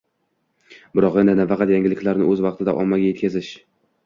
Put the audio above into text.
biroq endi nafaqat yangiliklarni o‘z vaqtida ommaga yetkazish